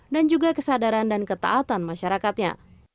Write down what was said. dan juga kesadaran dan ketaatan masyarakatnya